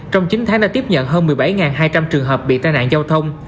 trong chín tháng đã tiếp nhận hơn một mươi bảy hai trăm linh trường hợp bị tai nạn giao thông